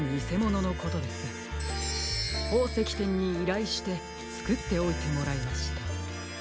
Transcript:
ほうせきてんにいらいしてつくっておいてもらいました。